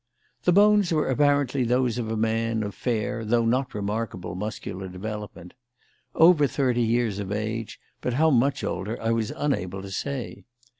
The bones were apparently those of a man of fair though not remarkable muscular development; over thirty years of age, but how much older I was unable to say.